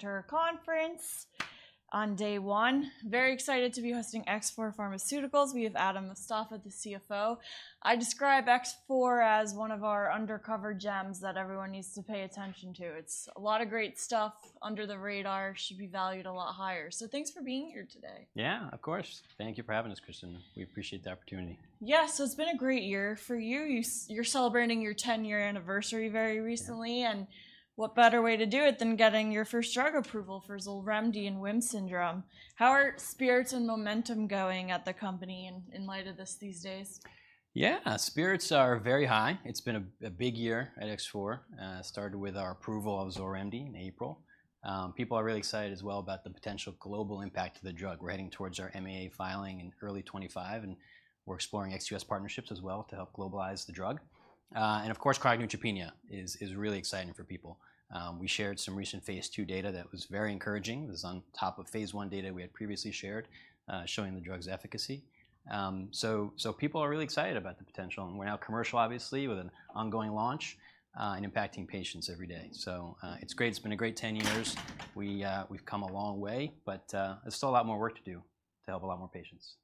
Cantor Conference on day one. Very excited to be hosting X4 Pharmaceuticals. We have Adam Mostafa, the CFO. I describe X4 as one of our undercover gems that everyone needs to pay attention to. It's a lot of great stuff under the radar, should be valued a lot higher. So thanks for being here today. Yeah, of course. Thank you for having us, Kristen. We appreciate the opportunity. Yeah, so it's been a great year for you. You're celebrating your ten-year anniversary very recently. Yeah... and what better way to do it than getting your first drug approval for XOLREMDI in WHIM syndrome? How are spirits and momentum going at the company in light of this, these days? Yeah, spirits are very high. It's been a big year at X4, started with our approval of XOLREMDI in April. People are really excited as well about the potential global impact of the drug. We're heading towards our MAA filing in early 2025, and we're exploring ex-U.S. partnerships as well to help globalize the drug, and of course, chronic neutropenia is really exciting for people. We shared some recent phase II data that was very encouraging. It was on top of phase I data we had previously shared, showing the drug's efficacy, so people are really excited about the potential, and we're now commercial obviously with an ongoing launch, and impacting patients every day, so it's great. It's been a great 10 years. We, we've come a long way, but, there's still a lot more work to do to help a lot more patients.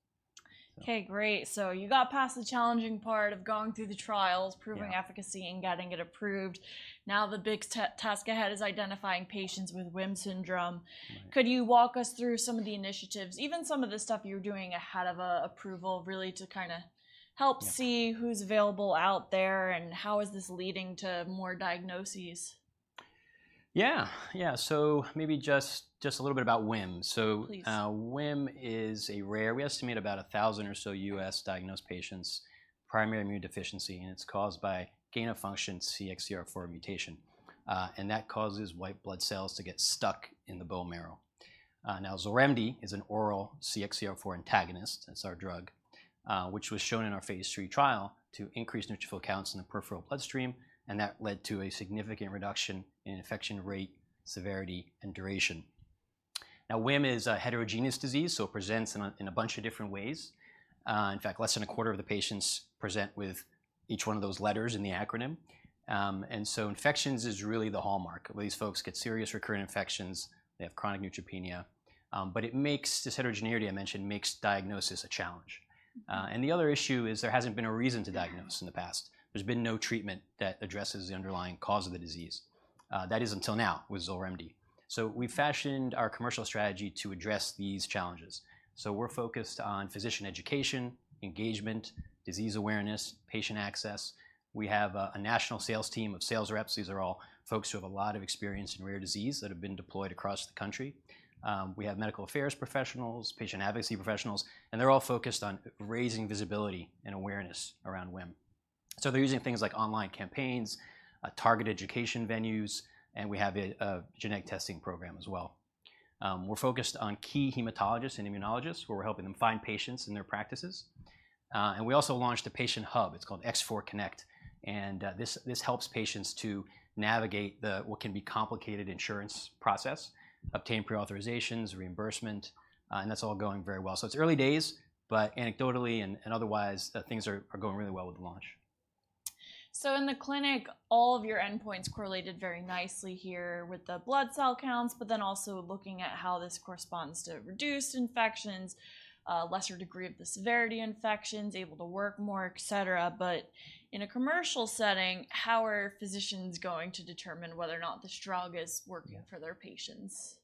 So- Okay, great, so you got past the challenging part of going through the trials- Yeah... proving efficacy and getting it approved. Now, the big task ahead is identifying patients with WHIM syndrome. Right. Could you walk us through some of the initiatives, even some of the stuff you're doing ahead of approval, really to kind of help- Yeah... see who's available out there, and how is this leading to more diagnoses? Yeah, so maybe just a little bit about WHIM. So- Please... WHIM is a rare... We estimate about 1,000 or so US diagnosed patients, primary immune deficiency, and it's caused by gain-of-function CXCR4 mutation. That causes white blood cells to get stuck in the bone marrow. Now, XOLREMDI is an oral CXCR4 antagonist, that's our drug, which was shown in our phase III trial to increase neutrophil counts in the peripheral bloodstream, and that led to a significant reduction in infection rate, severity, and duration. Now, WHIM is a heterogeneous disease, so it presents in a bunch of different ways. In fact, less than a quarter of the patients present with each one of those letters in the acronym. And so infections is really the hallmark. These folks get serious recurrent infections. They have chronic neutropenia. But this heterogeneity I mentioned makes diagnosis a challenge. And the other issue is there hasn't been a reason to diagnose in the past. There's been no treatment that addresses the underlying cause of the disease, that is, until now with XOLREMDI. So we fashioned our commercial strategy to address these challenges. So we're focused on physician education, engagement, disease awareness, patient access. We have a national sales team of sales reps. These are all folks who have a lot of experience in rare disease that have been deployed across the country. We have medical affairs professionals, patient advocacy professionals, and they're all focused on raising visibility and awareness around WHIM. So they're using things like online campaigns, targeted education venues, and we have a genetic testing program as well. We're focused on key hematologists and immunologists, where we're helping them find patients in their practices. and we also launched a patient hub. It's called X4Connect, and this helps patients to navigate the what can be complicated insurance process, obtain pre-authorizations, reimbursement, and that's all going very well. So it's early days, but anecdotally and otherwise, things are going really well with the launch. So in the clinic, all of your endpoints correlated very nicely here with the blood cell counts, but then also looking at how this corresponds to reduced infections, a lesser degree of the severity infections, able to work more, et cetera. But in a commercial setting, how are physicians going to determine whether or not this drug is working for their patients?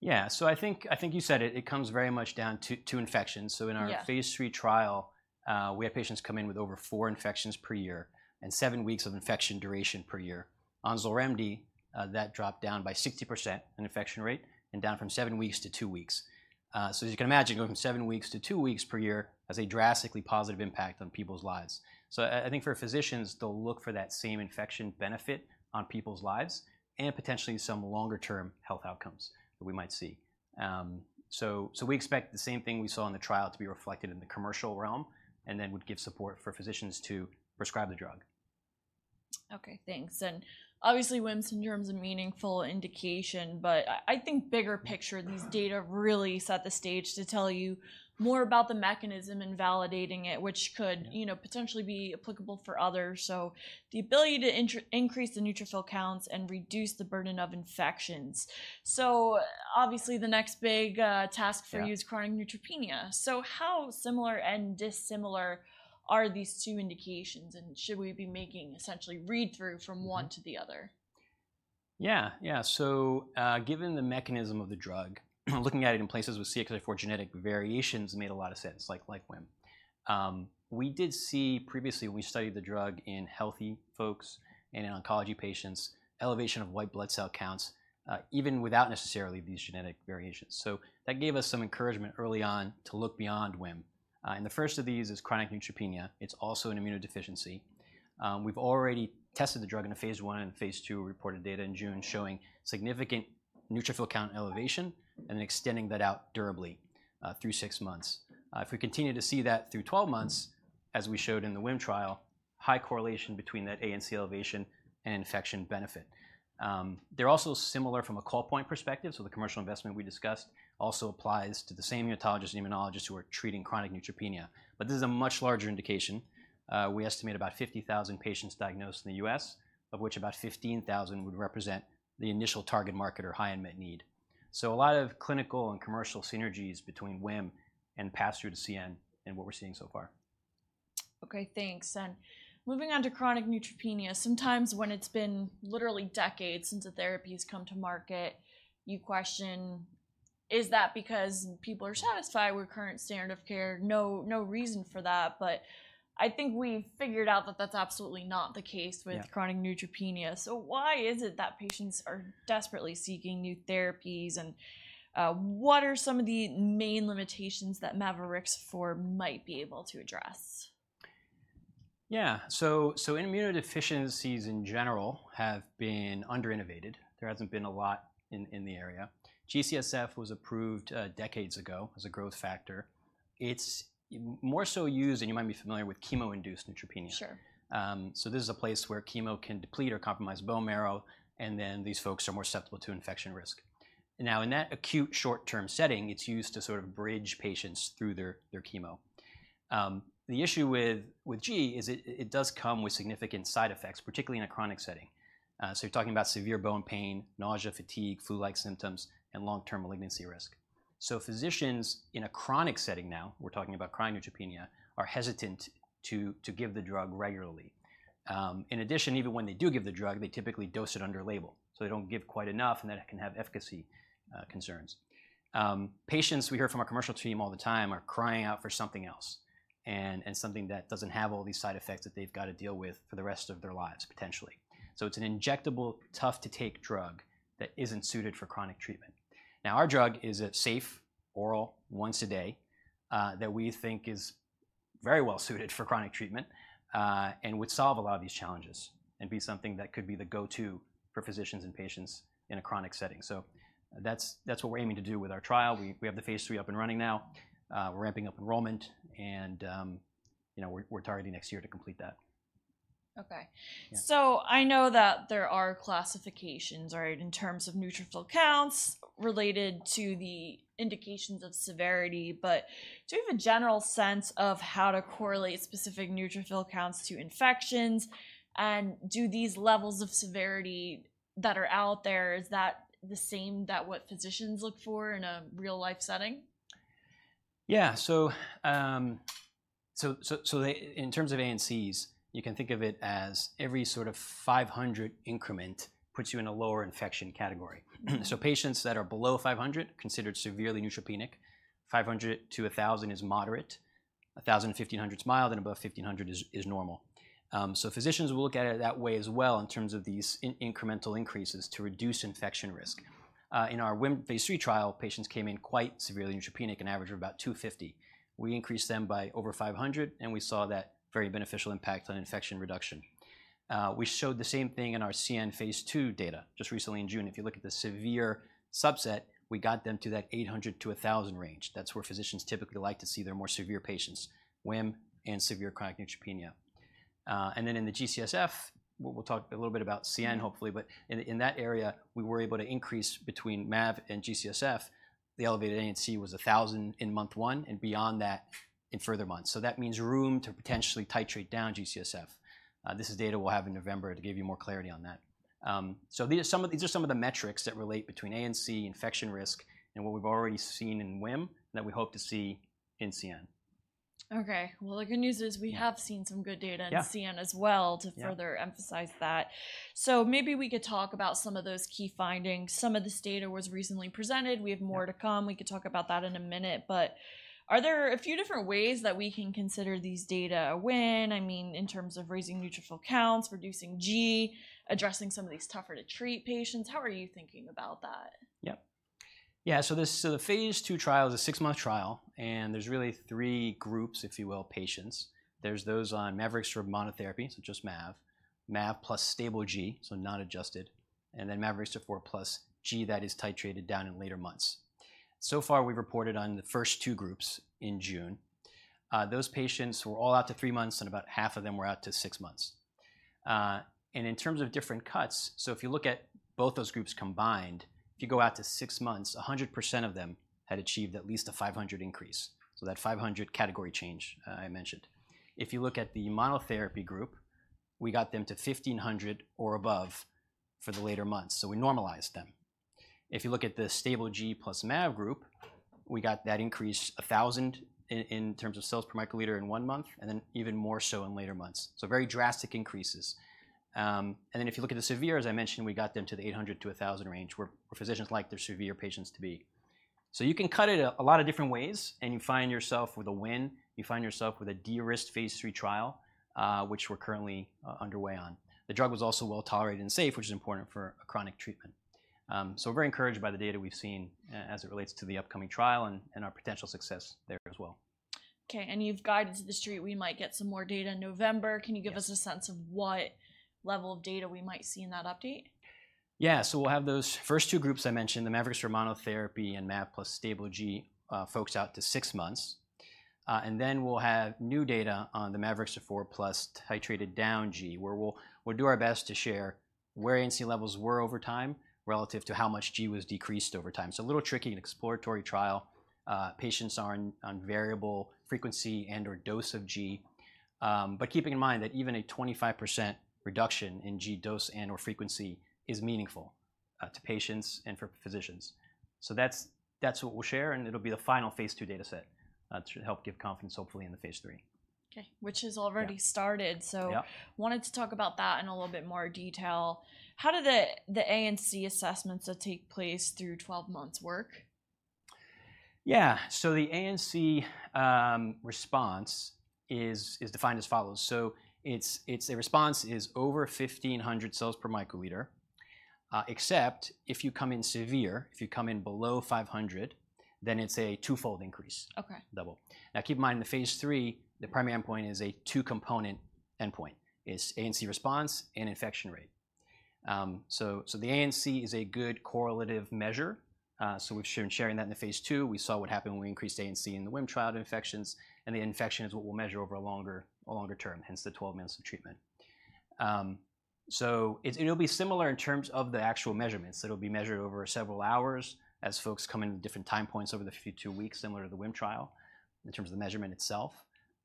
Yeah. So I think you said it. It comes very much down to infections. Yeah. So in our phase III trial, we had patients come in with over four infections per year and seven weeks of infection duration per year. On XOLREMDI, that dropped down by 60% in infection rate and down from seven weeks to two weeks. So as you can imagine, going from seven weeks to two weeks per year has a drastically positive impact on people's lives. So I think for physicians, they'll look for that same infection benefit on people's lives and potentially some longer term health outcomes that we might see. So we expect the same thing we saw in the trial to be reflected in the commercial realm, and then would give support for physicians to prescribe the drug. Okay, thanks. And obviously, WHIM syndrome's a meaningful indication, but I think bigger picture- Mm-hmm... these data really set the stage to tell you more about the mechanism and validating it, which could- Yeah... you know, potentially be applicable for others, so the ability to increase the neutrophil counts and reduce the burden of infections. So obviously, the next big task for you- Yeah... is chronic neutropenia. So how similar and dissimilar are these two indications, and should we be making essentially read through from one to the other? Yeah. Yeah. So, given the mechanism of the drug, looking at it in places with CXCR4 genetic variations made a lot of sense, like WHIM. We did see previously. We studied the drug in healthy folks and in oncology patients, elevation of white blood cell counts, even without necessarily these genetic variations. So that gave us some encouragement early on to look beyond WHIM, and the first of these is chronic neutropenia. It's also an immunodeficiency. We've already tested the drug in a phase I and phase II. We reported data in June showing significant neutrophil count elevation and extending that out durably, through six months. If we continue to see that through 12 months, as we showed in the WHIM trial, high correlation between that ANC elevation and infection benefit. They're also similar from a call point perspective, so the commercial investment we discussed also applies to the same hematologists and immunologists who are treating chronic neutropenia. But this is a much larger indication. We estimate about 50,000 patients diagnosed in the U.S., of which about 15,000 would represent the initial target market or high unmet need. A lot of clinical and commercial synergies between WHIM and pass-through to CN in what we're seeing so far. Okay, thanks. And moving on to chronic neutropenia. Sometimes when it's been literally decades since a therapy's come to market, you question, is that because people are satisfied with current standard of care? No, no reason for that, but I think we've figured out that that's absolutely not the case- Yeah... with chronic neutropenia. So why is it that patients are desperately seeking new therapies, and what are some of the main limitations that mavorixafor might be able to address? Yeah, so immunodeficiencies in general have been under-innovated. There hasn't been a lot in the area. G-CSF was approved decades ago as a growth factor. It's more so used, and you might be familiar with chemo-induced neutropenia. Sure. So this is a place where chemo can deplete or compromise bone marrow, and then these folks are more susceptible to infection risk. Now, in that acute short-term setting, it's used to sort of bridge patients through their chemo. The issue with G is it does come with significant side effects, particularly in a chronic setting. So you're talking about severe bone pain, nausea, fatigue, flu-like symptoms, and long-term malignancy risk. So physicians in a chronic setting now, we're talking about chronic neutropenia, are hesitant to give the drug regularly. In addition, even when they do give the drug, they typically dose it under label, so they don't give quite enough, and then it can have efficacy concerns. Patients, we hear from our commercial team all the time, are crying out for something else, and something that doesn't have all these side effects that they've gotta deal with for the rest of their lives, potentially. So it's an injectable, tough-to-take drug that isn't suited for chronic treatment. Now, our drug is a safe, oral, once a day, that we think is very well-suited for chronic treatment, and would solve a lot of these challenges and be something that could be the go-to for physicians and patients in a chronic setting. So that's what we're aiming to do with our trial. We have the phase III up and running now. We're ramping up enrollment, and you know, we're targeting next year to complete that. Okay. Yeah. So I know that there are classifications, right, in terms of neutrophil counts related to the indications of severity. But do you have a general sense of how to correlate specific neutrophil counts to infections? And do these levels of severity that are out there? Is that the same as what physicians look for in a real-life setting? Yeah. So in terms of ANCs, you can think of it as every sort of 500 increment puts you in a lower infection category. So patients that are below 500, considered severely neutropenic. 500-1,000 is moderate. 1,000-1,500 is mild, and above 1,500 is normal. So physicians will look at it that way as well in terms of these incremental increases to reduce infection risk. In our WHIM phase III trial, patients came in quite severely neutropenic, an average of about 250. We increased them by over 500, and we saw that very beneficial impact on infection reduction. We showed the same thing in our CN phase II data just recently in June. If you look at the severe subset, we got them to that eight hundred to a thousand range. That's where physicians typically like to see their more severe patients, WHIM and severe chronic neutropenia. And then in the G-CSF, we'll talk a little bit about CN, hopefully.. But in that area, we were able to increase between MAV and G-CSF. The elevated ANC was 1,000 in month one and beyond that in further months. So that means room to potentially titrate down G-CSF. This is data we'll have in November to give you more clarity on that. So these are some of the metrics that relate between ANC, infection risk, and what we've already seen in WHIM that we hope to see in CN. Okay. Well, the good news is- Yeah... we have seen some good data- Yeah... in CN as well- Yeah... to further emphasize that. So maybe we could talk about some of those key findings. Some of this data was recently presented. Yeah. We have more to come. We could talk about that in a minute. But are there a few different ways that we can consider these data a win? I mean, in terms of raising neutrophil counts, reducing G, addressing some of these tougher-to-treat patients. How are you thinking about that? Yeah. Yeah, so this, so the phase II trial is a six-month trial, and there's really three groups, if you will, patients. There's those on mavorixafor monotherapy, so just MAV; MAV plus stable G, so not adjusted; and then mavorixafor plus G that is titrated down in later months. So far, we've reported on the first two groups in June. Those patients were all out to three months, and about half of them were out to six months. And in terms of different cuts, so if you look at both those groups combined, if you go out to six months, 100% of them had achieved at least a 500 increase, so that 500 category change, I mentioned. If you look at the monotherapy group, we got them to 1,500 or above for the later months, so we normalized them. If you look at the stable G plus MAV group, we got that increase to 1,000 in terms of cells per microliter in one month, and then even more so in later months. So very drastic increases. And then if you look at the severe, as I mentioned, we got them to the 800 to 1,000 range, where physicians like their severe patients to be. So you can cut it a lot of different ways, and you find yourself with a win. You find yourself with a de-risked phase III trial, which we're currently underway on. The drug was also well-tolerated and safe, which is important for a chronic treatment. So we're very encouraged by the data we've seen, as it relates to the upcoming trial and our potential success there as well. Okay, and you've guided to the Street we might get some more data in November. Yeah. Can you give us a sense of what level of data we might see in that update? Yeah. So we'll have those first two groups I mentioned, the mavorixafor monotherapy and MAV plus stable G, folks, out to six months. And then we'll have new data on the mavorixafor plus titrated-down G, where we'll do our best to share where ANC levels were over time relative to how much G was decreased over time. So a little tricky and exploratory trial. Patients are on variable frequency and/or dose of G. But keeping in mind that even a 25% reduction in G dose and/or frequency is meaningful to patients and for physicians. So that's what we'll share, and it'll be the final phase II dataset... that should help give confidence, hopefully, in the phase III. Okay, which has already started. Yeah. So wanted to talk about that in a little bit more detail. How do the ANC assessments that take place through 12 months work? Yeah. The ANC response is defined as follows. It's a response over 1,500 cells per microliter, except if you come in below 500, then it's a twofold increase. Okay... double. Now, keep in mind, in the phase III, the primary endpoint is a two-component endpoint, ANC response and infection rate. So the ANC is a good correlative measure. So we're sharing that in the phase II. We saw what happened when we increased ANC in the WHIM trial to infections, and the infection is what we'll measure over a longer term, hence the 12 months of treatment. So it'll be similar in terms of the actual measurements. It'll be measured over several hours as folks come in at different time points over the two weeks, similar to the WHIM trial, in terms of the measurement itself.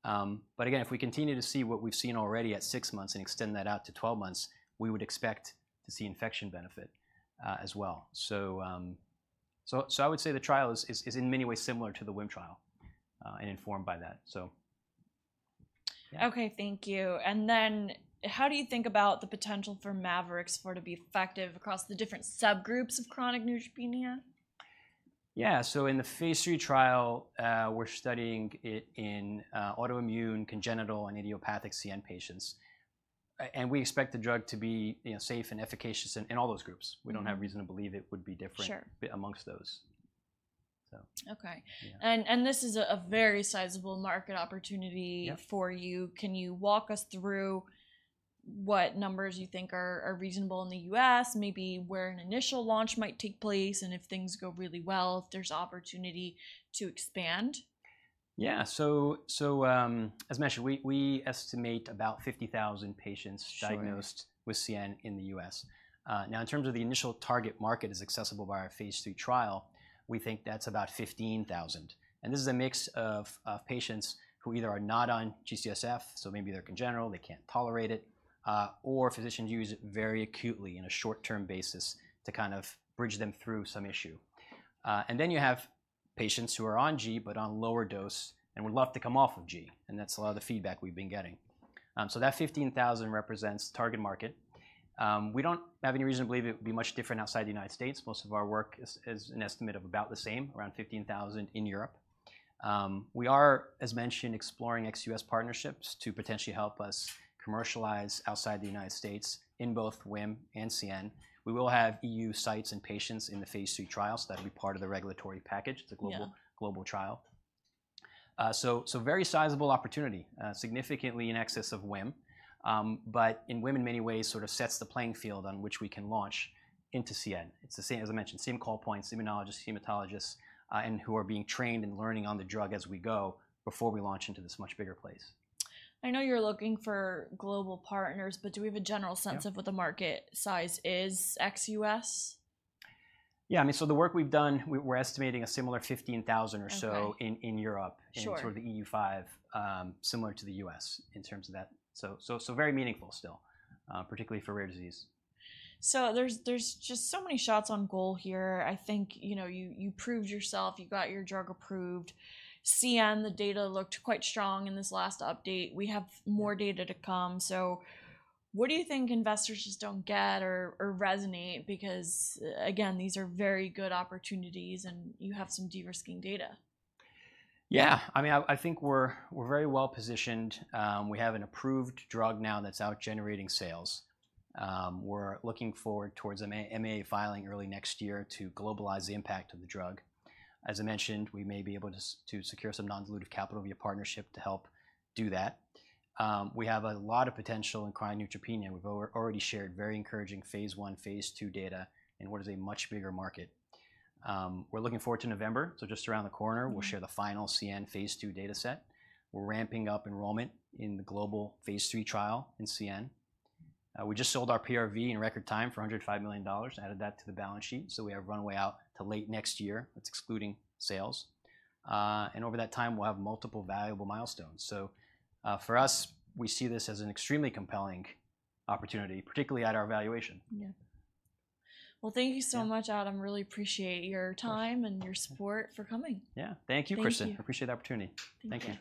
But again, if we continue to see what we've seen already at six months and extend that out to 11 months, we would expect to see infection benefit, as well. I would say the trial is in many ways similar to the WHIM trial and informed by that. So... Okay, thank you. And then how do you think about the potential for mavorixafor to be effective across the different subgroups of chronic neutropenia? Yeah. So in the phase III trial, we're studying it in autoimmune, congenital, and idiopathic CN patients. And we expect the drug to be, you know, safe and efficacious in all those groups. We don't have reason to believe it would be different. Sure... among those, so. Okay. Yeah. This is a very sizable market opportunity. Yeah... for you. Can you walk us through what numbers you think are reasonable in the U.S., maybe where an initial launch might take place, and if things go really well, if there's opportunity to expand? Yeah. So, as mentioned, we estimate about 50,000 patients diagnosed- Sure... with CN in the U.S.. Now, in terms of the initial target market is accessible by our phase III trial, we think that's about 15,000. And this is a mix of patients who either are not on G-CSF, so maybe they're congenital, they can't tolerate it, or physicians use it very acutely in a short-term basis to kind of bridge them through some issue. And then you have patients who are on G, but on lower dose, and would love to come off of G, and that's a lot of the feedback we've been getting. So that 15,000 represents target market. We don't have any reason to believe it would be much different outside the United States. Most of our work is an estimate of about the same, around 15,000 in Europe. We are, as mentioned, exploring ex-U.S. partnerships to potentially help us commercialize outside the United States in both WHIM and CN. We will have EU sites and patients in the phase III trials. That'll be part of the regulatory package. Yeah... the global trial, so very sizable opportunity, significantly in excess of WHIM, but in WHIM, in many ways, sort of sets the playing field on which we can launch into CN. It's the same, as I mentioned, same call points, immunologists, hematologists, and who are being trained and learning on the drug as we go before we launch into this much bigger place. I know you're looking for global partners, but do we have a general sense of what the market size is, ex-U.S.? Yeah. I mean, so the work we've done, we're estimating a similar 15,000 or so- Okay... in Europe- Sure... in sort of the EU5, similar to the U.S. in terms of that. So, very meaningful still, particularly for rare disease. So there's just so many shots on goal here. I think, you know, you proved yourself, you got your drug approved. CN, the data looked quite strong in this last update. We have more data to come. So what do you think investors just don't get or resonate? Because, again, these are very good opportunities, and you have some de-risking data. Yeah. I mean, I think we're very well positioned. We have an approved drug now that's out generating sales. We're looking forward towards an MAA filing early next year to globalize the impact of the drug. As I mentioned, we may be able to to secure some non-dilutive capital via partnership to help do that. We have a lot of potential in chronic neutropenia. We've already shared very encouraging phase I, phase II data in what is a much bigger market. We're looking forward to November, so just around the corner. We'll share the final CN phase II data set. We're ramping up enrollment in the global phase III trial in CN. We just sold our PRV in record time for $105 million, added that to the balance sheet, so we have runway out to late next year, that's excluding sales, and over that time, we'll have multiple valuable milestones, so for us, we see this as an extremely compelling opportunity, particularly at our valuation. Yeah. Well, thank you so much- Yeah... Adam, really appreciate your time and your support for coming. Yeah. Thank you, Kristen. Thank you. I appreciate the opportunity. Thank you.